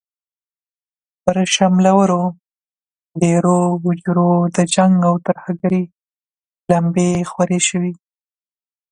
پر شملورو دېرو، هوجرو د جنګ او ترهګرۍ لمبې خورې شوې.